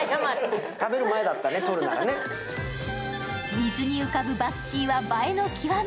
水に浮かぶバスチーは映えの極み。